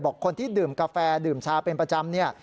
คนที่ดื่มกาแฟดื่มชาเป็นประจำเนี่ย